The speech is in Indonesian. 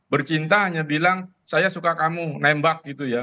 bercinta hanya bilang saya suka kamu nembak gitu ya